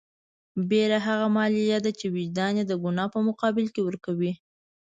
بېره هغه مالیه ده چې وجدان یې د ګناه په مقابل کې ورکوي.